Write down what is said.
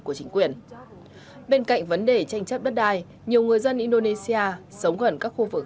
của chính quyền bên cạnh vấn đề tranh chấp đất đai nhiều người dân indonesia sống gần các khu vực